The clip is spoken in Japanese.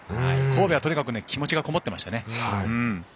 神戸はとにかく気持ちがこもっていました。